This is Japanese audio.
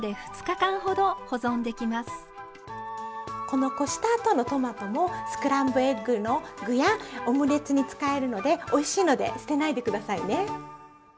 このこした後のトマトもスクランブルエッグの具やオムレツに使えるのでおいしいので捨てないで下さいね。